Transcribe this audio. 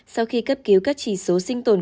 sau khi cấp cứu các chỉ số sinh tồn